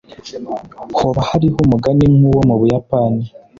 hoba hariho umugani nk'uwo mu buyapani